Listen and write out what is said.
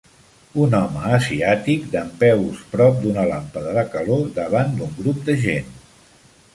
Un home asiàtic dempeus prop d'una làmpada de calor davant d'un grup de gent.